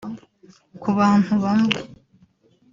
Ku bantu bamwe